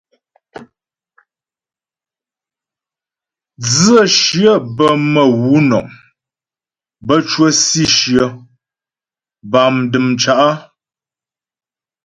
Dzə̌shyə bə́ mə̌ wǔ nɔm, bə́ cwə shyə bâ dəm cǎ'.